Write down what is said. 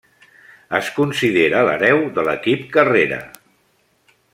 Es considera l'hereu de l'equip Carrera.